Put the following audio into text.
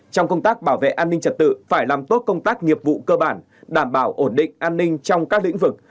trong công tác bảo vệ an ninh trật tự phải làm tốt công tác nghiệp vụ cơ bản đảm bảo ổn định an ninh trong các lĩnh vực